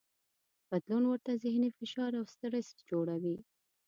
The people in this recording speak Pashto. بدلون ورته ذهني فشار او سټرس جوړوي.